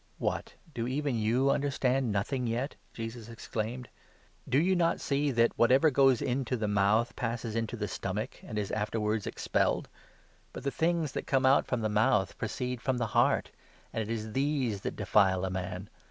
"What, do even you understand nothing yet?" Jesus ex claimed. " Do not you see that whatever goes into the mouth passes into the stomach, and is afterwards expelled ? But the things that come out from the mouth proceed from the heart, and it is these that defile a man.